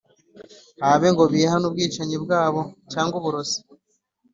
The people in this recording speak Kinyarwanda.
habe ngo bihane ubwicanyi bwabo cyangwa uburozi,